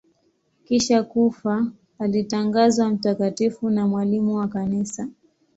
Kisha kufa alitangazwa mtakatifu na mwalimu wa Kanisa.